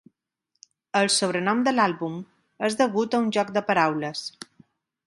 El sobrenom de l'àlbum és degut a un joc de paraules.